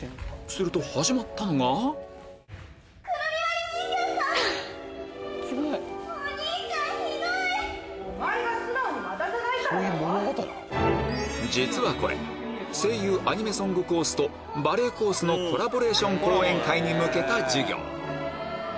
すると始まったのが実はこれ声優アニメソングコースとバレエコースのコラボレーション公演会に向けた授業